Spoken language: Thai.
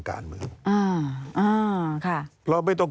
การเลือกตั้งครั้งนี้แน่